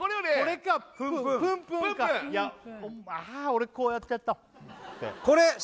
俺こうやってやった